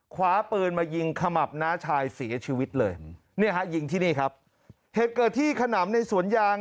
คว้าปืนมายิงขมับน้าชายเสียชีวิตเลยเนี่ยฮะยิงที่นี่ครับเหตุเกิดที่ขนำในสวนยาง